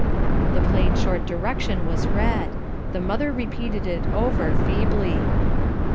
The plain short direction was read; the mother repeated it over feebly.